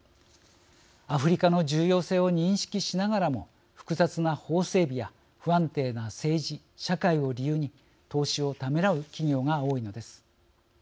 アフリカの重要性を認識しながらも複雑な法整備や不安定な政治・社会を理由に投資をためらう企業が多いのです。